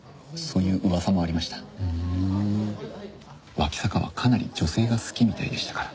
脇坂はかなり女性が好きみたいでしたから。